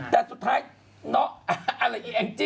แต่สุดท้ายเนาะอะไรอีแองจี้